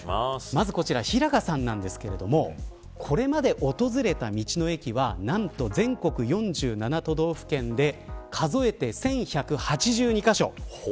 まずこちら平賀さんなんですがこれまで訪れた道の駅はなんと全国４７都道府県で数えて１１８２カ所。